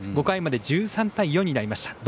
５回まで１３対４になりました。